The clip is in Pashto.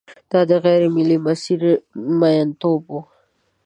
دا د غېر ملي مسیر میینتوب و.